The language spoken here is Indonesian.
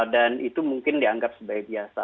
dan itu mungkin dianggap sebaik biasa